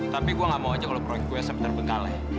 tapi gue gak mau aja kalau proyek kue sampai terbengkalai